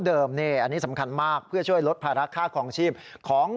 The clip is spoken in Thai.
เดิมเนี่ยอันนี้สำคัญมากเพื่อช่วยลดพละรักค่าของชีพของ